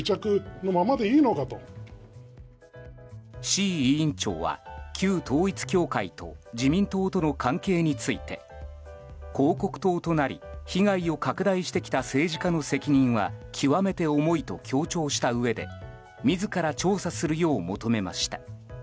志位委員長は、旧統一教会と自民党との関係について広告塔となり被害を拡大してきた政治家の責任は極めて重いと強調したうえで自ら調査するよう求めました。